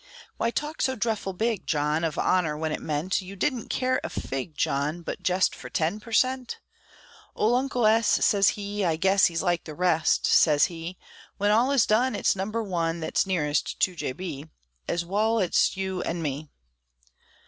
Why talk so dreffle big, John, Of honor when it meant You didn't care a fig, John, But jest for ten per cent? Ole Uncle S. sez he, "I guess He's like the rest," sez he: "When all is done, it's number one Thet's nearest to J. B., Ez wal ez t' you an' me!"